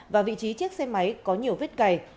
và vị trí chiếc xe máy có nhiều vết cày